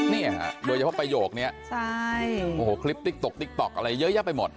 เนี่ยโดยเฉพาะประโยคนี้ใช่โอ้โหคลิปติ๊กต๊กติ๊กต๊อกอะไรเยอะแยะไปหมด